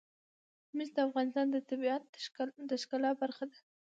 مس د افغانستان د طبیعت د ښکلا برخه ده.